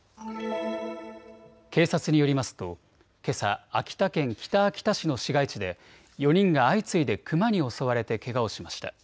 警察によりますとけさ秋田県北秋田市の市街地で４人が相次いでクマに襲われてけがをしました。